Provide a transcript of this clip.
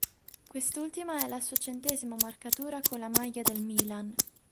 Quest'ultima è la sua centesima marcatura con la maglia del Milan.